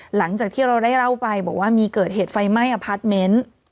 หลังจากที่เราได้เล่าไปบอกว่ามีเกิดเหตุไฟไหม้อพาร์ทเมนต์